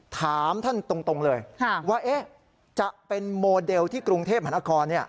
ถามท่านตรงเลยว่าจะเป็นโมเดลที่กรุงเทพมหานคร